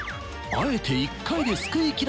あえて１回ですくい